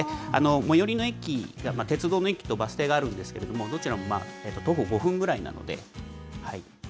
最寄りの駅が鉄道の駅とバス停があるんですけれども、どちらも徒歩５分ぐらいなので。